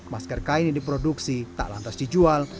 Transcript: masker kain yang diproduksi tak lantas dijual